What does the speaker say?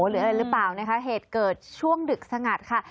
หรืออะไรหรือเปล่านะคะเหตุเกิดช่วงดึกสงัดค่ะ